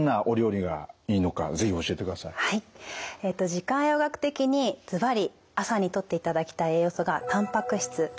時間栄養学的にずばり朝にとっていただきたい栄養素がたんぱく質になります。